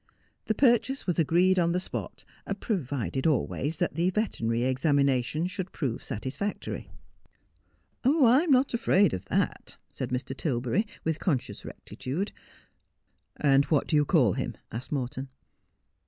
The purchase was agreed on the spot ; provided always that the veterinary exami nation should prove satisfactory. 292 Just as I Am. ' I'm not afraid of that,' said Mr. Tilberry, with conscious rectitude. ' What do you call him 1 ' asked Morton.